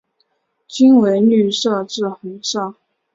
茎为绿色至红色。